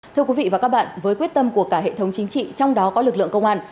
thưa quý vị và các bạn với quyết tâm của cả hệ thống chính trị trong đó có lực lượng công an